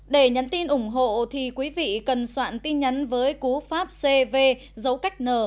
để nhắn tin ủng hộ thì quý vị cần soạn tin nhắn với cú pháp cv dấu cách n